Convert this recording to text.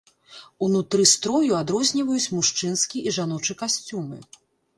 Унутры строю адрозніваюць мужчынскі і жаночы касцюмы.